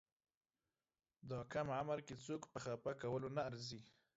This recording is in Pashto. دا کم عمر کې څوک په خپه کولو نه ارزي.